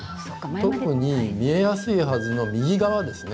特に見えやすいはずの右側ですね